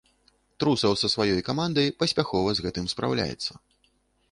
Трусаў са сваёй камандай паспяхова з гэтым спраўляецца.